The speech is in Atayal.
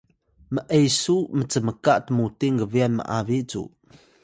Ipay: m’esu cmka tmuting gbyan m’abi cu